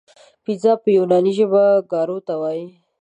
پیترا په یوناني ژبه ګارو ته وایي.